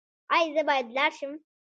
ایا زه باید لاړ شم؟